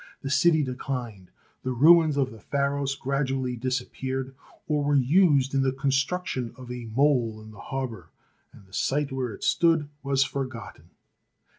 The city declined; the ruins of the Pharos gradually disappeared, or were used in the construction of a mole in the harbour, and the site where it stood was forgotten.